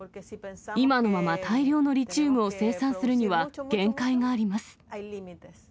今のまま大量のリチウムを生産するには限界があります。